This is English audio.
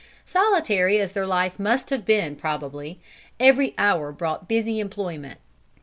Solitary as their life must have been probably, every hour brought busy employment.